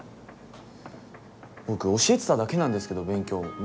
僕教えてただけなんですけど勉強をむしろ。